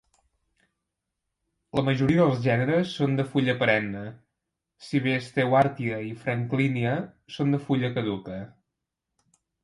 La majoria dels gèneres són de fulla perenne, si bé "Stewartia" i "Franklinia" són de fulla caduca.